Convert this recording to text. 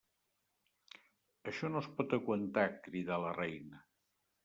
Això no es pot aguantar! —cridà la reina—.